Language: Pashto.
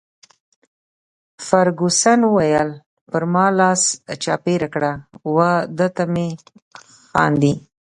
فرګوسن وویل: پر ما لاس چاپیره کړه، وه ده ته مه خاندي.